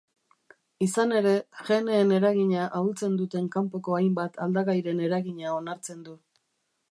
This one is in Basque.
Izan ere, geneen eragina ahultzen duten kanpoko hainbat aldagairen eragina onartzen du.